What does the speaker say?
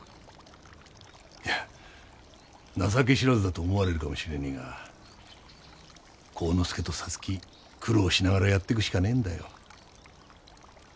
いや情け知らずだと思われるかもしれねえが晃之助と皐月苦労しながらやってくしかねえんだよ。